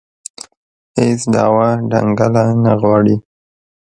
هېڅ دعوا دنګله نه غواړي